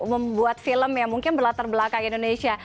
membuat film yang mungkin berlatar belakang indonesia